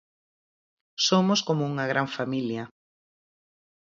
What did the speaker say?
Somos como unha gran familia.